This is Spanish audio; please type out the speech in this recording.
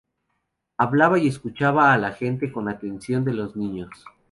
Hablaba y escuchaba a la gente con la atención de los niños.